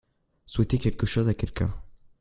Souhaiter quelque chose à quelqu'un.